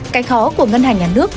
cái khó của ngân hàng nhà nước